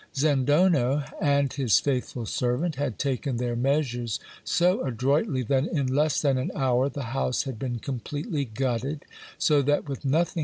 Zendono and his faithful servant had taken their measures so adroitly, that in less than an hour the house had been completely gutted ; so that with nothing 244 GIL BLAS.